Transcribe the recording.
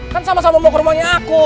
kan sama sama mau ke rumahnya aku